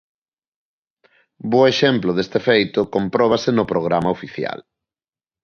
Bo exemplo deste feito compróbase no programa oficial.